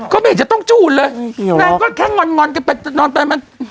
ก็ไม่เห็นจะต้องจูนเลยน่ะก็แค่งอนงอนกันไปนอนตายมาก